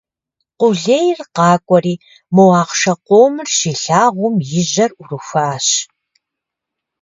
Къулейр къакӀуэри мо ахъшэ къомыр щилъагъум и жьэр Ӏурыхуащ.